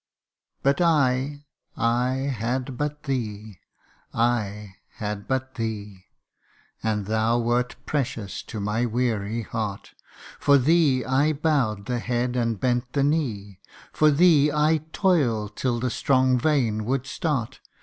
But I I had but thee ! I had but thee ! And thou wert precious to my weary heart : For thee I bow'd the head and bent the knee For thee I toil'd till the strong vein would start.